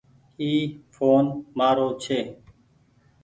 اي ڦون مآرو ڇي۔